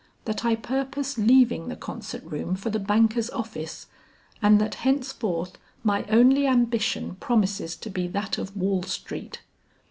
That I purpose leaving the concert room for the banker's office and that henceforth my only ambition promises to be that of Wall Street?"